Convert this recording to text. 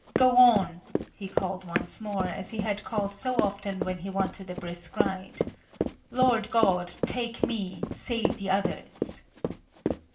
"Go on!" he called once more, as he had called so often when he wanted a brisk ride. "Lord God, take me, save the others!"